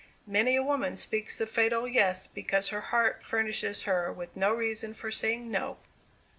Many a woman speaks the fatal Yes, because her heart furnishes her with no reason for saying No.